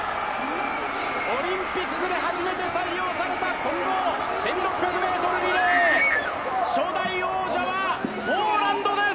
オリンピックで初めて採用された混合１６００ｍリレー初代王者はポーランドです。